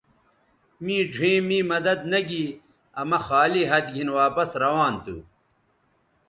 می ڙھیئں می مدد نہ گی آ مہ خالی ھَت گِھن واپس روان تھو